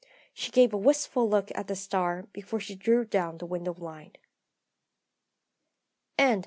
She gave a wistful look at that star before she drew down the window blind.